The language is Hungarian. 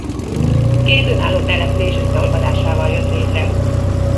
Két önálló település összeolvadásával jött létre.